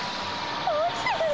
おちてくる⁉